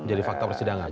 jadi fakta persidangan